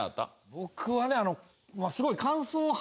僕はねあのすごい。